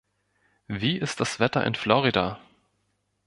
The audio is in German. Wie ist das Wetter in Florida?